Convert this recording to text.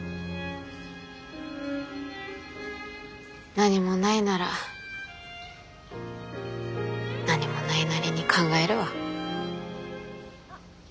何もないなら何もないなりに考えるわ。